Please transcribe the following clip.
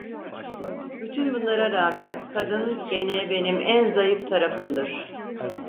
Bütün bunlara rağmen kadın gene benim en zayıf tarafımdır.